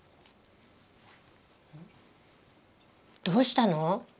どうしたの？